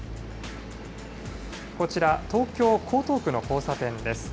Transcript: こちら、東京・江東区の交差点です。